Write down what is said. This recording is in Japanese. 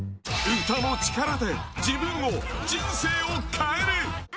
歌の力で自分の人生を変える。